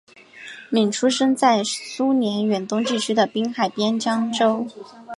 闵出生在苏联远东地区的滨海边疆州。